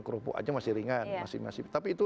kerupuk aja masih ringan tapi itu